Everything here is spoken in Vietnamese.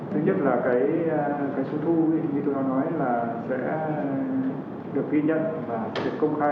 thứ nhất là cái số thu như tôi có nói là sẽ được ghi nhận và được công khai